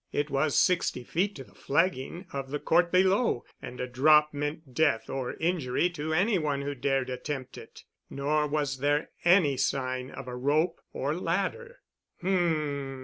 It was sixty feet to the flagging of the court below and a drop meant death or injury to any one who dared attempt it. Nor was there any sign of a rope or ladder. "H m.